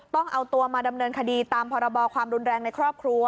ต้องเอาตัวมาดำเนินคดีตามพรบความรุนแรงในครอบครัว